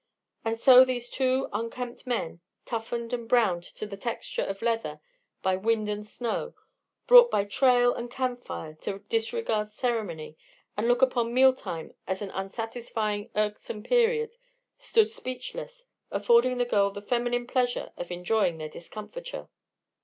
And so these two unkempt men, toughened and browned to the texture of leather by wind and snow, brought by trail and campfire to disregard ceremony and look upon mealtime as an unsatisfying, irksome period, stood speechless, affording the girl the feminine pleasure of enjoying their discomfiture.